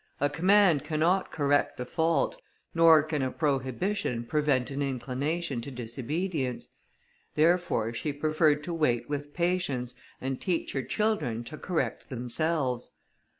A command cannot correct a fault, nor can a prohibition prevent an inclination to disobedience; therefore she preferred to wait with patience, and teach her children to correct themselves.